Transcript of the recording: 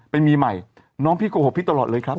ไปมีใหม่น้องพี่โกหกพี่ตลอดเลยครับ